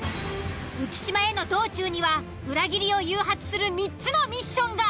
浮島への道中には裏切りを誘発する３つのミッションが。